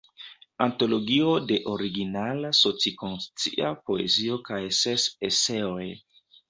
Antologio de originala soci-konscia poezio kaj ses eseoj.